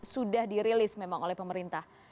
sudah dirilis memang oleh pemerintah